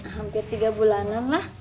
hampir tiga bulanan lah